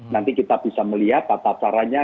nanti kita bisa melihat patah parahnya